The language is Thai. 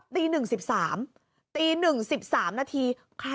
ตี๑๑๓ตี๑๑๓นาที